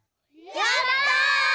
やった！